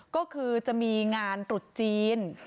ก็คือจะมีงานตรุษจีน